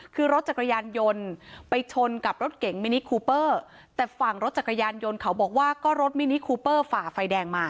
คือรถจักรยานยนต์ไปชนกับรถเก๋งมินิคูเปอร์แต่ฝั่งรถจักรยานยนต์เขาบอกว่าก็รถมินิคูเปอร์ฝ่าไฟแดงมา